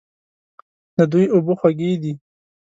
د دوی اوبه خوږې دي.